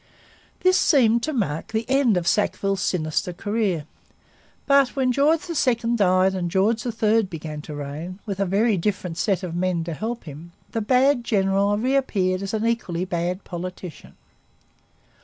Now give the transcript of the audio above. This seemed to mark the end of Sackville's sinister career. But when George II died and George III began to reign, with a very different set of men to help him, the bad general reappeared as an equally bad politician.